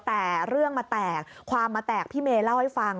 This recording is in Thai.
แต่เรื่องมาแตกความมาแตกพี่เมย์เล่าให้ฟัง